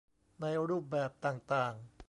ในรูปแบบต่างต่าง